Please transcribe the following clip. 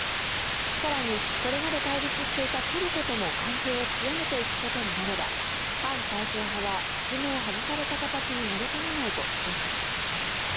さらに、これまで対立していたトルコとも関係を強めていくことになれば反体制派ははしごを外された形になりかねないと分析をしています。